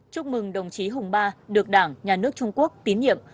chúc mừng đồng chí hùng ba được đảng nhà nước trung quốc tín nhiệm